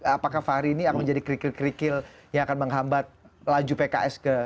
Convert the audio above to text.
apakah fahri ini akan menjadi kerikil kerikil yang akan menghambat laju pks ke